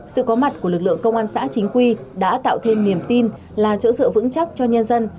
sự có mặt của lực lượng công an xã chính quy đã tạo thêm niềm tin là chỗ dựa vững chắc cho nhân dân